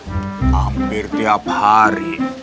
hampir tiap hari